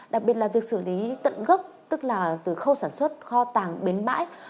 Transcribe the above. đặc biệt là việc xử lý tận gốc tức là từ khâu sản xuất kho tàng bến bãi